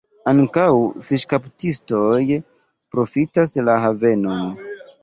Ankaŭ fiŝkaptistoj profitas la havenon.